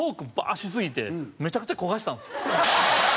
しすぎてめちゃくちゃ焦がしたんですよ。